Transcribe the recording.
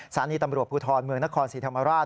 สถานีตำรวจภูทรเมืองนครศรีธรรมราช